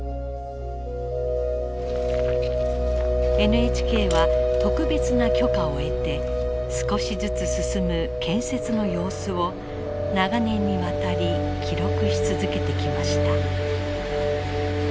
ＮＨＫは特別な許可を得て少しずつ進む建設の様子を長年にわたり記録し続けてきました。